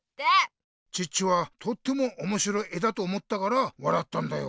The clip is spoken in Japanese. チッチはとってもおもしろい絵だと思ったからわらったんだよ。